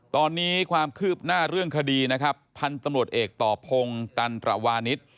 ตอนนี้ความคืบหน้าเรื่องคดีนะครับพันธุ์ตำรวจเอกต่อพงศ์ตันตระวานิส